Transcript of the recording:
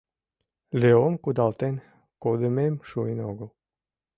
Леом кудалтен кодымем шуын огыл.